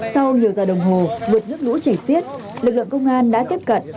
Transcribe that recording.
sau nhiều giờ đồng hồ vượt nước lũ chảy xiết lực lượng công an đã tiếp cận